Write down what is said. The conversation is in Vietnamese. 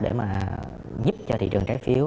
để giúp cho thị trường trái phiếu